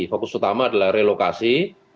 fokus utama adalah relokasi